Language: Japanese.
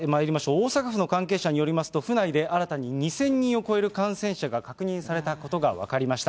大阪府の関係者によりますと、府内で新たに２０００人を超える感染者が確認されたことが分かりました。